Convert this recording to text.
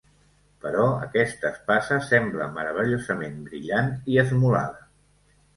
Però aquesta espasa sembla meravellosament brillant i esmolada.